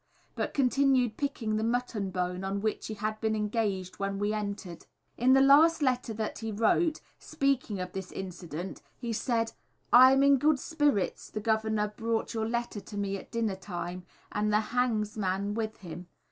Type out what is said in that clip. but continued picking the mutton bone on which he had been engaged when we entered. In the last letter that he wrote, speaking of this incident, he said: "I am in good spirits the Governor brought your letter to me at dinner time and the hangs man with him.